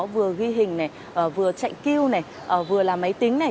vừa ghi hình vừa chạy kêu vừa làm máy tính